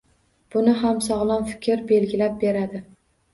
Buni ham sog‘lom fikr belgilab beradi.